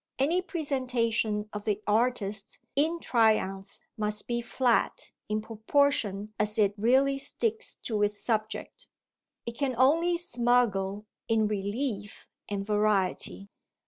Any presentation of the artist in triumph must be flat in proportion as it really sticks to its subject it can only smuggle in relief and variety.